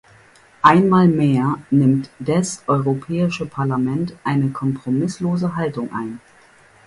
Einmal mehr nimmt des Europäische Parlament eine kompromisslose Haltung ein.